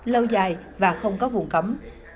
lâu dài và không có vùng cấm